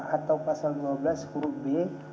atau pasal dua belas huruf b